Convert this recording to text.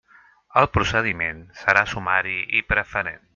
El procediment serà sumari i preferent.